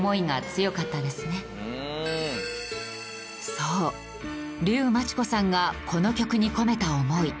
そう竜真知子さんがこの曲に込めた思い。